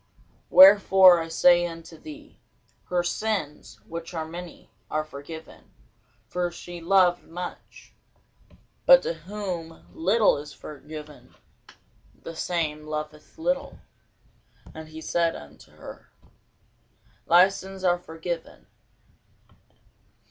Wherefore I say unto thee, Her sins, which are many, are forgiven; for she loved much: but to whom little is forgiven, the same loveth little. And he said unto her, Thy sins are forgiven.